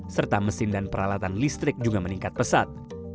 serta mesin dan peralatan listrik juga meningkat pesat